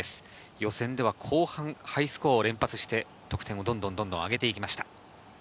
予選では後半、ハイスコアを連発して得点をどんどんと上げていきました。